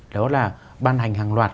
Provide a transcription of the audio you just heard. đó là ban hành hàng loạt